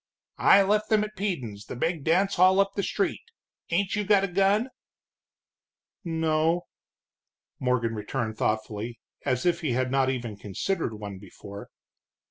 "I left them at Peden's, the big dance hall up the street. Ain't you got a gun?" "No," Morgan returned thoughtfully, as if he had not even considered one before.